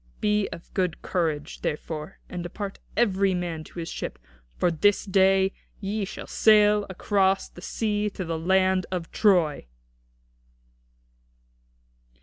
Be of good courage, therefore, and depart every man to his ship, for this day ye shall sail across the sea to the land of Troy."